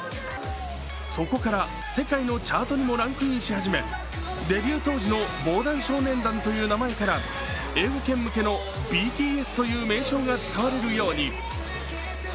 そこから世界のチャートにもランクインし始め、デビュー当時の防弾少年団という名称から英語圏向けのＢＴＳという名称が使われるように。